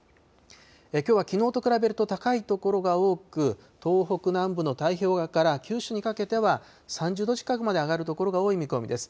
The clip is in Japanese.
きょうはきのうと比べると高い所が多く、東北南部の太平洋側から九州にかけては３０度近くまで上がる所が多い見込みです。